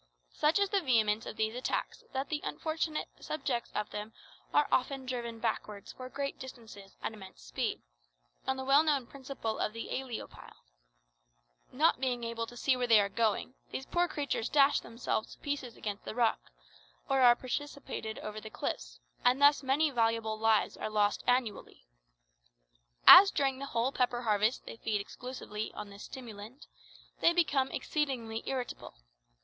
Such is the vehemence of these attacks that the unfortunate subjects of them are often driven backward for great distances at immense speed, on the well known principle of the æolipile. Not being able to see where they are going, these poor creatures dash themselves to pieces against the rocks, or are precipitated over the cliffs, and thus many valuable lives are lost annually. As during the whole pepper harvest they feed exclusively on this stimulant, they become exceedingly irritable.